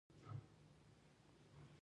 ایا ستاسو مینه پاکه نه ده؟